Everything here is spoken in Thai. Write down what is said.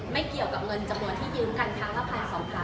ไม่เกี่ยวกับเงินจำนวนที่ยื้องกันทั้งละพันสองพัน